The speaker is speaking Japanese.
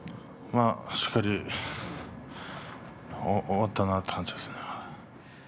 しっかり終わったなという感じです。